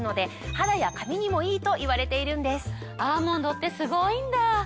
アーモンドってすごいんだぁ！